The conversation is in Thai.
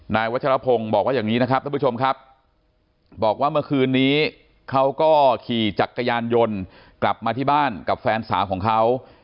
วัชรพงศ์บอกว่าอย่างนี้นะครับท่านผู้ชมครับบอกว่าเมื่อคืนนี้เขาก็ขี่จักรยานยนต์กลับมาที่บ้านกับแฟนสาวของเขา